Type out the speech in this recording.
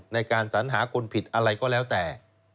ในการสัญหาคนผิดอะไรก็แล้วแต่